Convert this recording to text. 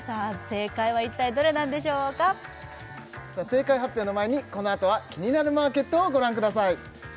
正解は一体どれなんでしょうか正解発表の前にこのあとは「キニナルマーケット」をご覧ください